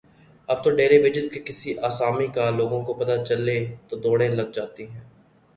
اب تو daily wages کی کسی آسامی کا لوگوں کو پتہ چلے تو دوڑیں لگ جاتی ہیں۔